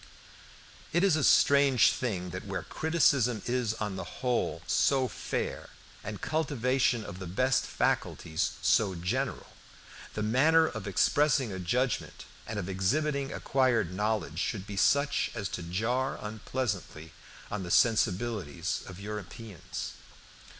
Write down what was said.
It is a strange thing that where criticism is on the whole so fair, and cultivation of the best faculties so general, the manner of expressing a judgment and of exhibiting acquired knowledge should be such as to jar unpleasantly on the sensibilities of Europeans.